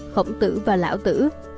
khổng tử và lão tử